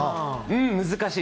難しい。